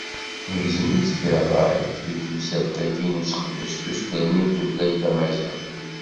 Negzem-itt deg ṛṛay deg temsalt-agi n useqdec d usnerni n tutlayt n tmaziɣt.